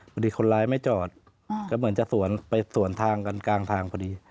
คนร้ายไม่จอดก็เหมือนจะสวนไปสวนทางกันกลางทางพอดี